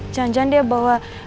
janjian dia bawa